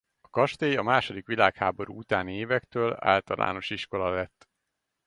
A kastély a második világháború utáni évektől általános iskola lett.